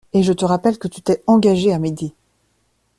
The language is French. Et je te rappelle que tu t’es engagée à m’aider.